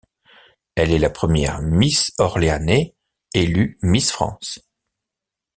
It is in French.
Elle est la première Miss Orléanais élue Miss France.